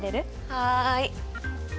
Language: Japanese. はい。